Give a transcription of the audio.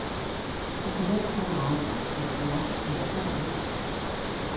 Rosalía tocaba a arpa e o piano e Lorca tamén.